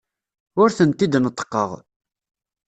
Ur tent-id-neṭṭqeɣ.